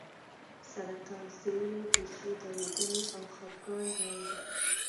سرطان زیړی د زړه درېدنې او خپګان راوړي.